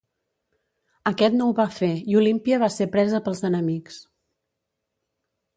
Aquest no ho va fer i Olímpia va ser presa pels enemics.